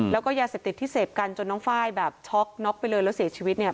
แล้วก็ยาเสพติดที่เสพกันจนน้องไฟล์แบบช็อกน็อกไปเลยแล้วเสียชีวิตเนี่ย